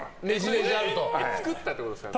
作ったってことですか？